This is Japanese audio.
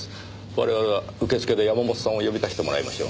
我々は受付で山本さんを呼び出してもらいましょう。